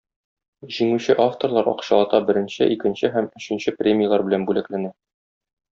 Җиңүче авторлар акчалата беренче, икенче һәм өченче премияләр белән бүләкләнә.